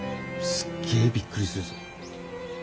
すっげえびっくりするぞ。